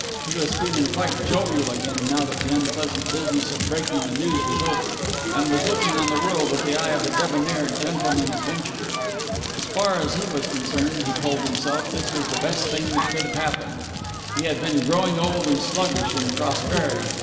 He was feeling quite jovial again now that the unpleasant business of breaking the news was over, and was looking on the world with the eye of a debonair gentleman adventurer. As far as he was concerned, he told himself, this was the best thing that could have happened. He had been growing old and sluggish in prosperity.